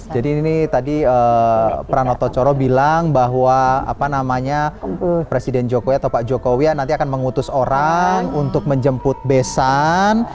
jadi ini tadi pranoto coro bilang bahwa apa namanya presiden jokowi atau pak jokowi nanti akan mengutus orang untuk menjemput besan